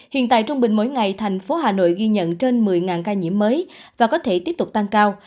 hiện tại trung bình mỗi ngày thành phố hà nội ghi nhận trên một mươi ca nhiễm mới và có thể tiếp tục tăng cao